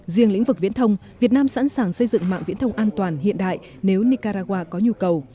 riêng lĩnh vực viễn thông việt nam sẵn sàng xây dựng mạng viễn thông an toàn hiện đại nếu nicaragua có nhu cầu